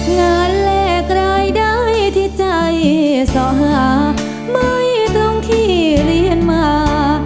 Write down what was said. แลกรายได้ที่ใจส่อหาไม่ตรงที่เรียนมา